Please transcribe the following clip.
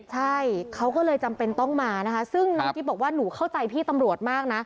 ใช่เขาก็เลยจำเป็นต้องมาซึ่งบอกว่าหนูเข้าใจพี่ตำรวจมาก